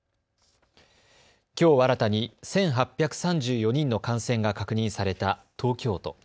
きょう新たに１８３４人の感染が確認された東京都。